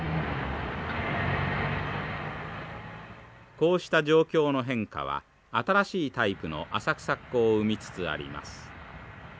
こうした状況の変化は新しいタイプの浅草っ子を生みつつあります。